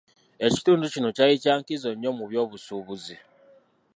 Ekitundu kino kyali kya nkizo nnyo mu byobusuubuzi.